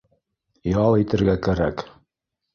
Ял итергә кәрәк